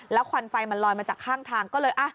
ควันไฟมันลอยมาจากข้างทางก็เลย